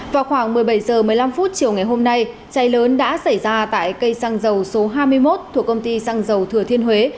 vào khoảng một mươi bảy h một mươi năm chiều ngày hôm nay cháy lớn đã xảy ra tại cây xăng dầu số hai mươi một thuộc công ty xăng dầu thừa thiên huế